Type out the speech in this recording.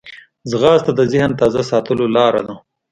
ځغاسته د ذهن تازه ساتلو لاره ده